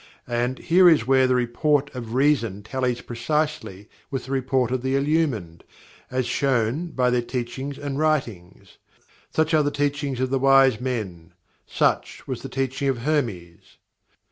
And, here is where the report of Reason tallies precisely with the report of the Illumined, as shown by their teachings and writings. Such are the teachings of the Wise Men. Such was the Teaching of Hermes.